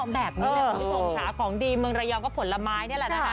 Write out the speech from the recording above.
แบบนี้แหละมันสมหาของดีเมืองระยองก็ผลไม้